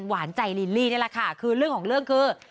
ว่างให้เฉยเลย